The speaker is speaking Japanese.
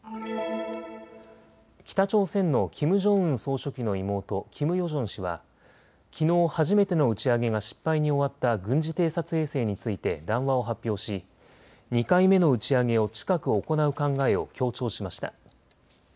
北朝鮮のキム・ジョンウン総書記の妹、キム・ヨジョン氏はきのう初めての打ち上げが失敗に終わった軍事偵察衛星について談話を発表し２回目の打ち上げを近く行う考えを強調しました。